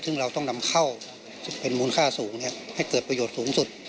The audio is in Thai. ซึ่งเราต้องนำเข้าเป็นมูลค่าสูงให้เกิดประโยชน์สูงสุด